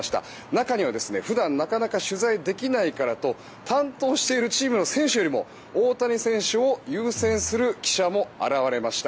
中には普段なかなか取材できないからと担当しているチームの選手よりも大谷選手を優先する記者も現れました。